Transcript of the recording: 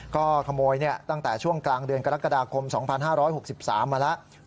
ก็ขโมยตั้งแต่ช่วงกลางเดือนกรกฎาคม๒๕๖๓มาแล้ว